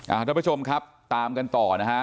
ท่านผู้ชมครับตามกันต่อนะฮะ